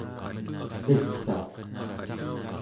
qipsak